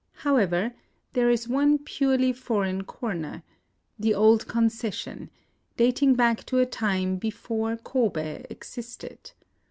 However, there is one purely foreign corner, — the old Concession, dating back to a time before Kobe existed.